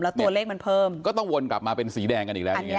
แล้วตัวเลขมันเพิ่มก็ต้องวนกลับมาเป็นสีแดงกันอีกแล้วอย่างเง